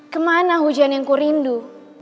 kemana hujan yang ku rindu